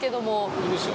いいですよ。